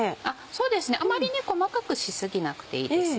そうですねあまり細かくし過ぎなくていいですよ。